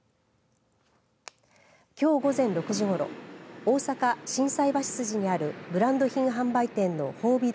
きょう午前６時ごろ大阪、心斎橋筋にあるブランド品販売店の宝美堂